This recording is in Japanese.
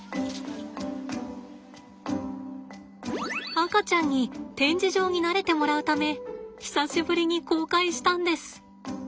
赤ちゃんに展示場に慣れてもらうため久しぶりに公開したんです。